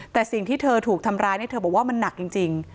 แต่สิ่งที่เธอถูกทำร้ายเนี่ยเธอบอกว่ามันหนักจริง